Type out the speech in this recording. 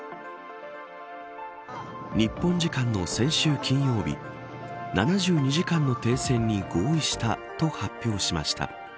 日本時間の先週金曜日７２時間の停戦に合意したと発表しました。